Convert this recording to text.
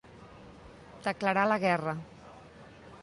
Declarar la guerra.